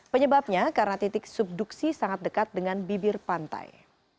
penyebabnya karena titik subduksi sangat dekat dengan bibir pantai